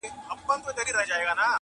ما درته ویل چي په اغیار اعتبار مه کوه!